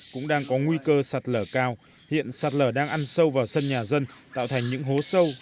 cũng đang có nguy cơ sạt lở cao hiện sạt lở đang ăn sâu vào sân nhà dân tạo thành những hố sâu